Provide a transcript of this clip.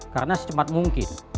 karena secepat mungkin